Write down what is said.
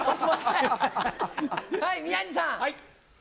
はい、宮治さん。